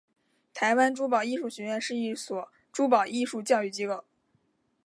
台湾珠宝艺术学院是一所珠宝艺术教育机构。